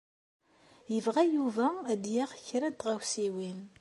Yebɣa Yuba ad d-yaɣ kra n tɣawsiwin.